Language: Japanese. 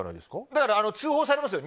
だから通報されますよ